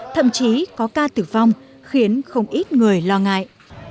thậm chí có ca tử vong khiến không ít người lo ngại